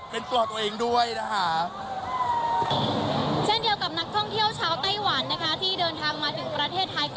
เป็นตัวตัวเองด้วยนะฮะเท่าเดียวกับนักท่องเที่ยวชาวเวียไวน์นะคะที่เดินทางมาถึงประเทศถ่าย